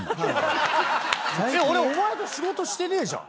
俺お前と仕事してねえじゃん！